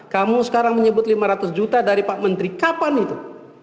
kamu sekarang menyebut lima ratus juta dari pak menteri kapan itu